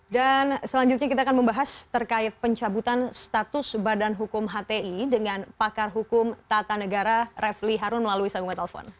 dan selanjutnya kita akan membahas terkait pencabutan status badan hukum hti dengan pakar hukum tata negara refli harun melalui sangunga telpon